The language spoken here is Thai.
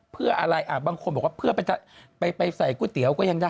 เพื่ออะไรบางคนบอกว่าเพื่อไปใส่ก๋วยเตี๋ยวก็ยังได้